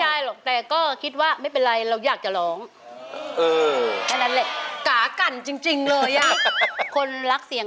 หมายความว่าถ้าเกิดได้เงินรางวัลไปเนี่ย